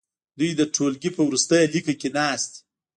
دوی د ټوولګي په وروستي لیکه کې ناست دي.